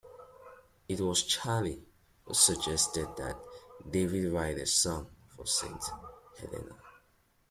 It was Charlie who suggested that Dave write a song for Saint Helena.